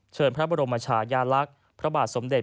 พระบรมชายาลักษณ์พระบาทสมเด็จ